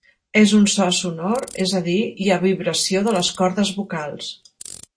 És un so sonor, és a dir, hi ha vibració de les cordes vocals.